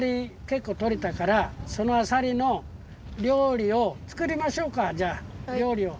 けっこうとれたからそのあさりの料理をつくりましょうかじゃあ料理を。